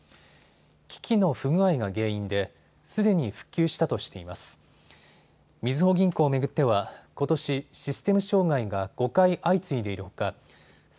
機器の不具合が原因ですでに復旧したとしています。